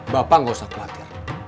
bapak gak usah khawatir